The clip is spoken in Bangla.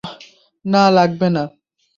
না, লাগবে না।